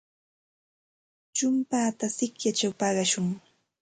Chumpata sikyachaw paqashun.